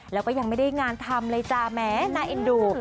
แล้วก็ยังไม่ได้งานทำเลยจ้าแม้น่าเอ็นดู